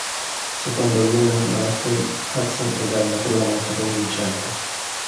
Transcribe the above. Secondo Leonard Maltin "Hudson regala una prova molto convincente".